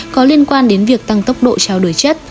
có liên quan đến việc tăng tốc độ trao đổi chất